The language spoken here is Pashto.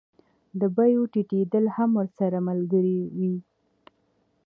د بیو ټیټېدل هم ورسره ملګري وي